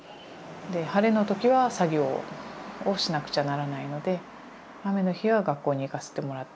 晴れの時は作業をしなくちゃならないので雨の日は学校に行かせてもらった。